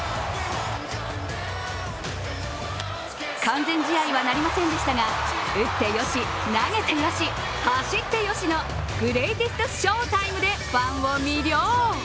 完全試合はなりませんでしたが、打ってよし、投げてよし、走ってよしのグレーテストショータイムでファンを魅了。